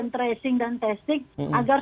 tracing dan testing agar